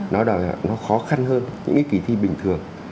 nó khó khăn hơn những cái kỳ thi bình thường